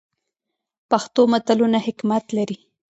پښتو متلونه حکمت لري